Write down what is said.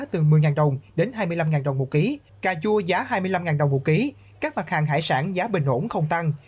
từ một mươi đồng đến hai mươi năm đồng một kg cà chua giá hai mươi năm đồng một ký các mặt hàng hải sản giá bình ổn không tăng